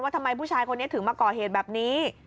ทำไมผู้ชายคนนี้ถึงมาก่อเหตุแบบนี้